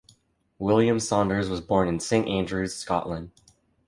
William Saunders was born in Saint Andrews, Scotland.